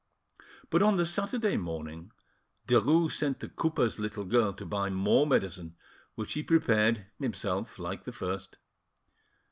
But on the Saturday morning Derues sent the cooper's little girl to buy more medicine, which he prepared, himself, like the first.